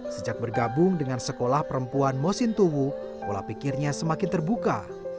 sejak bergabung dengan sekolah perempuan mosintowo pola pikirnya semakin terbuka